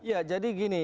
ya jadi gini